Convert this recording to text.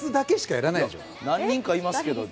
何人かいますけど。